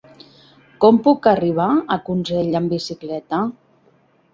Com puc arribar a Consell amb bicicleta?